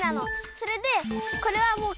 それでこれはもう。